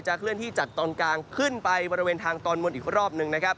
เคลื่อนที่จากตอนกลางขึ้นไปบริเวณทางตอนบนอีกรอบหนึ่งนะครับ